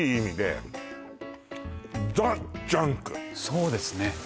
そうですね